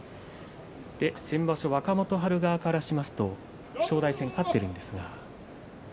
先場所、若元春からしますと正代戦、勝っています。